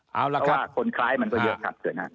เพราะว่าคนคล้ายมันก็เยอะครับเชิญครับ